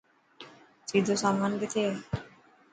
سيدو سامان ڪٿي هي.